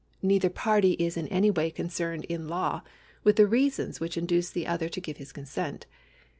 Neither party is in any way concerned in law with the reasons which indnced the other to give his consent.